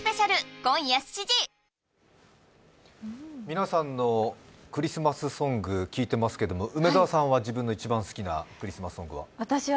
皆さんのクリスマスソング聞いてますけど梅澤さんは自分の一番好きなクリスマスソングは？